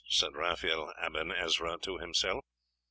said Raphael Aben Ezra to himself.